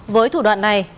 với thủ đoạn này